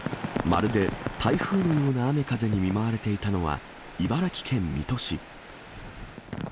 まるで台風のような雨風に見舞われていたのは、茨城県水戸市。